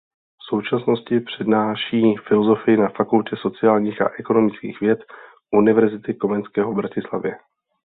V současnosti přednáší filozofii na Fakultě sociálních a ekonomických věd Univerzity Komenského v Bratislavě.